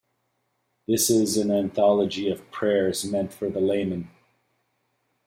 This is an anthology of prayers meant for the layman.